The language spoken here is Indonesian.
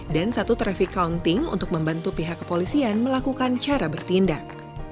dan satu traffic counting untuk membantu pihak kepolisian melakukan cara bertindak